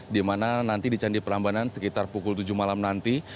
di mana nanti di candi prambanan sekitar pukul tujuh malam nanti